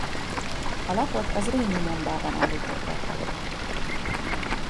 A lapot a Zrínyi Nyomdában állították elő.